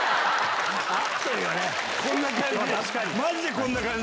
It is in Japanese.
こんな感じ！